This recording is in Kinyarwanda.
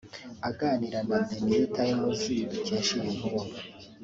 Aganira na The New Times dukesha iyi nkuru